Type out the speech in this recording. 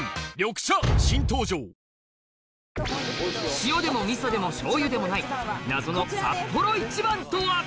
塩でもみそでもしょうゆでもない謎の「サッポロ一番」とは？